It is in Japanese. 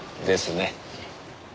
ですね。